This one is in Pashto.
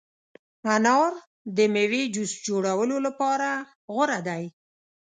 انار د مېوې جوس جوړولو لپاره غوره دی.